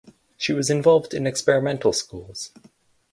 She was involved in experimental schools.